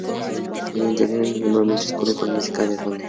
El interior es normalmente oscuro con música de fondo.